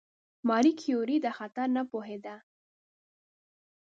ماري کیوري دا خطر نه پوهېده.